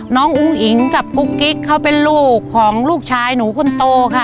อุ้งอิ๋งกับกุ๊กกิ๊กเขาเป็นลูกของลูกชายหนูคนโตค่ะ